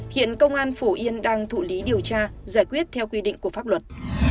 hiện công an phổ yên đang thụ lý điều tra giải quyết theo quy định của pháp luật